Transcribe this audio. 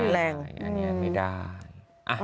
ไม่ได้